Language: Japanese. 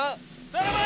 頼む！